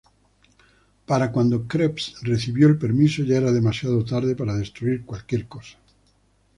Para cuando Krebs recibió el permiso, ya era demasiado tarde para destruir cualquier cosa.